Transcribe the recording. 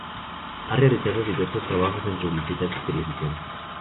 Ha realizado diversos trabajos en publicidad y televisión.